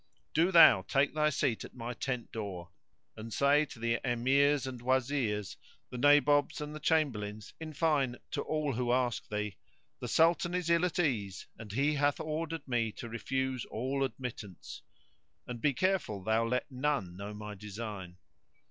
Do thou take thy seat at my tent door, and say to the Emirs and Wazirs, the Nabobs and the Chamberlains, in fine to all who ask thee:—The Sultan is ill at ease, and he hath ordered me to refuse all admittance;[FN#109] and be careful thou let none know my design."